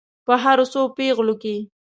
په هرو څو پیغلو کې.